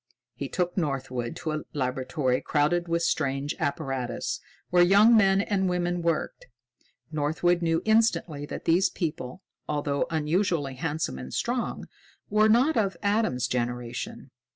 He took Northwood to a laboratory crowded with strange apparatus, where young men and women worked. Northwood knew instantly that these people, although unusually handsome and strong, were not of Adam's generation.